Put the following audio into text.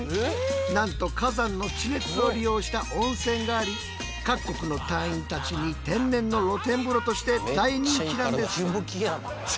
なんと火山の地熱を利用した温泉があり各国の隊員たちに天然の露天風呂として大人気なんです。